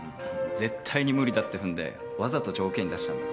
絶対に無理だって踏んでわざと条件に出したんだろ。